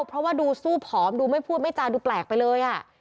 เพราะว่าดูสู้ผอมดูไม่พูดไม่จาดูแปลกไปเลย